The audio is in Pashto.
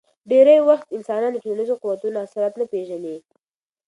ډېری وخت انسانان د ټولنیزو قوتونو اثرات نه پېژني.